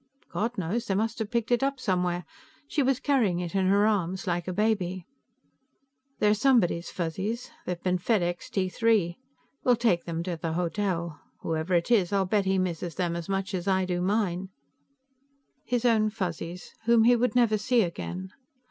"God knows. They must have picked it up somewhere. She was carrying it in her arms, like a baby." "They're somebody's Fuzzies. They've been fed Extee Three. We'll take them to the hotel. Whoever it is, I'll bet he misses them as much as I do mine." His own Fuzzies, whom he would never see again.